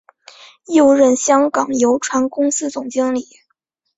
又任香港邮船公司总经理。